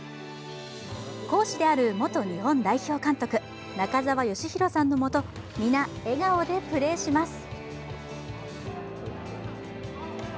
講師である元日本代表監督、中澤吉裕さんのもと皆、笑顔でプレーします。